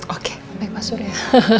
oke baik baik mas uri ya